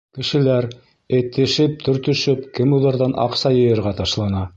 Кешеләр, этешеп-төртөшөп, кемуҙарҙан аҡса йыйырға ташлана.